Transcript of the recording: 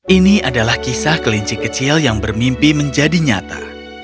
ini adalah kisah kelinci kecil yang bermimpi menjadi nyata